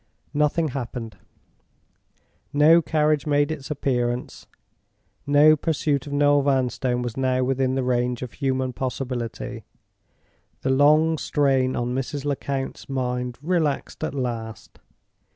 Nothing happened; no carriage made its appearance; no pursuit of Noel Vanstone was now within the range of human possibility. The long strain on Mrs. Lecount's mind relaxed at last.